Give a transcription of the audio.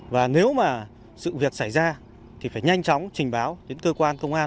và nếu mà sự việc xảy ra thì phải nhanh chóng trình báo đến cơ quan công an